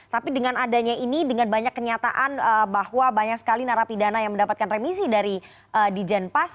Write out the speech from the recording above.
tapi dengan adanya ini dengan banyak kenyataan bahwa banyak sekali narapidana yang mendapatkan remisi dari di jenpas